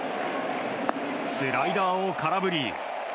スライダーを空振り。